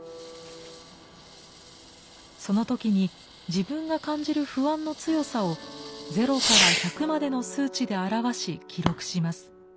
その時に自分が感じる不安の強さを０から１００までの数値で表し記録します。